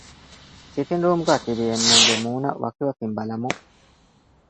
ސިޓިންގ ރޫމްގައި ތިބި އެންމެންގެ މޫނަށް ވަކިވަކިން ބަލަމުން